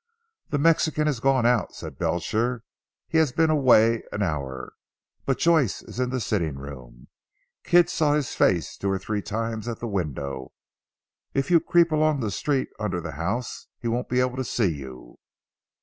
"The Mexican has gone out," said Belcher, "he has been away an hour. But Joyce is in the sitting room. Kidd saw his face two or three times at the window. If you creep along the street under the house he won't be able to see you."